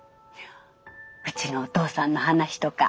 うちのお父さんの話とか。